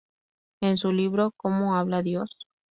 En su libro "¿Cómo habla Dios?